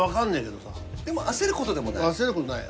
でも焦ることでもない？